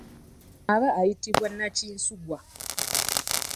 Aba ayitibwa nnakinsugwa.